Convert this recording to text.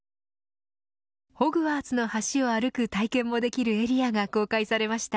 ホグワーツの橋を歩く体験もできるエリアが公開されました。